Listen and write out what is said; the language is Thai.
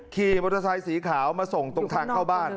ขี่มอเตอร์ไซค์สีขาวมาส่งตรงทางเข้าบ้าน